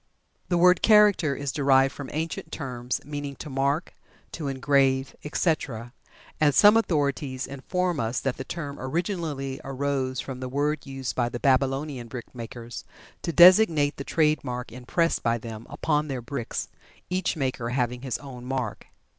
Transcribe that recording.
The word "Character" is derived from ancient terms meaning "to mark," "to engrave," etc., and some authorities inform us that the term originally arose from the word used by the Babylonian brickmakers to designate the trade mark impressed by them upon their bricks, each maker having his own mark.